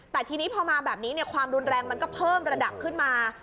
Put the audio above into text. แต่ทีนี้พอมาแบบนี้ความรุนแรงมันก็เพิ่มระดับขึ้นมา